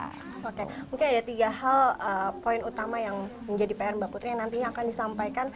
oke mungkin ada tiga hal poin utama yang menjadi pr mbak putri yang nantinya akan disampaikan